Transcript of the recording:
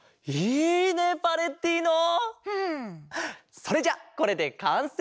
それじゃあこれでかんせい！